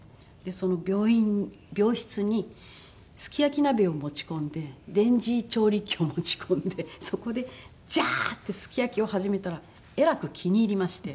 その病院病室にすき焼き鍋を持ち込んで電磁調理器を持ち込んでそこでジャー！ってすき焼きを始めたらえらく気に入りまして。